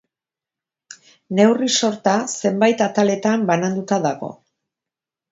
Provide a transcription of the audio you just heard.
Neurri-sorta zenbait ataletan bananduta dago.